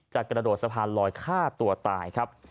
กระโดดสะพานลอยฆ่าตัวตายครับ